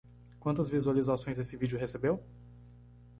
Quantas visualizações esse vídeo recebeu?